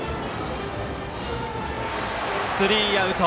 スリーアウト。